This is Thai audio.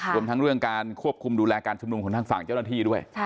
รวมทั้งเรื่องการควบคุมดูแลการชุมนุมของทางฝั่งเจ้าหน้าที่ด้วย